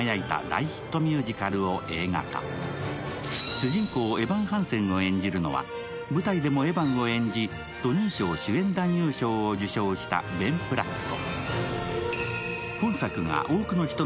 主人公エヴァン・ハンセンを演じるのは、舞台でもエヴァンを演じトニー賞主演男優賞を受賞したベン・プラット。